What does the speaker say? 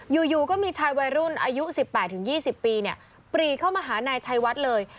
อยู่ก็มีชายวัยรุ่นอายุ๑๘๒๐ปีปรีเข้ามาหานายชัยวัดเลย